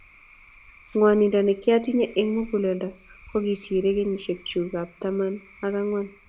Ng'wanindo nekiatinye eng muguleldo kokiserie kenyisiek chuk ab taman ak ang'wan